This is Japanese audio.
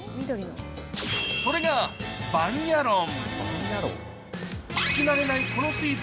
それがバンヤロン。